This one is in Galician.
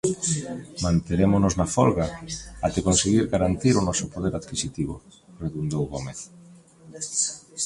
"Manterémonos na folga até conseguir garantir o noso poder adquisitivo", redundou Gómez.